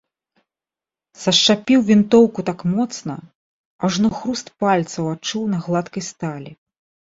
Сашчапіў вінтоўку так моцна, ажно хруст пальцаў адчуў на гладкай сталі.